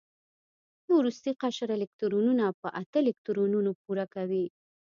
د وروستي قشر الکترونونه په اته الکترونونو پوره کوي.